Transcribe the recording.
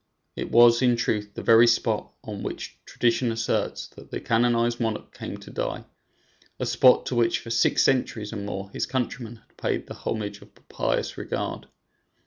It was, in truth, the very spot on which tradition asserts that the canonized monarch came to die, a spot to which for six centuries and more his countrymen had paid the homage of a pious regard.